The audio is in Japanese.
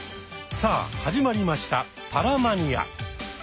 さあ始まりました「パラマニア」。